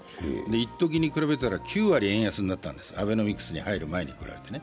いっときに比べたら９割円安に入ったんです、アベノミクスに入る前に比べてね。